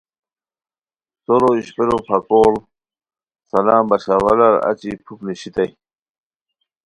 سورو اشپیرو پکوڑ سلام بشاراحوالار اچی پُھک نیشیتائے